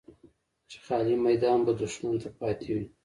چې خالي میدان به دښمن ته پاتې وي.